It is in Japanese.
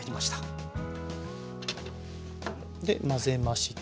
で混ぜまして。